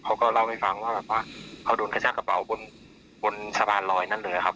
เขาก็เล่าให้ฟังว่าแบบว่าเขาโดนกระชากระเป๋าบนบนสะพานลอยนั่นเลยครับ